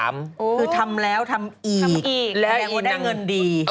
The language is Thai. คือทำแล้วทำอีกแล้ววันนี้เงินดี